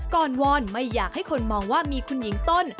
วอนไม่อยากให้คนมองว่ามีคุณหญิงต้น